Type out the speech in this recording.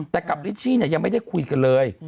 แต่กับลิชชี่ยังไม่ได้คุยกันเลย